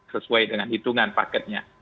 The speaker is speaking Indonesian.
sesuai dengan hitungan paketnya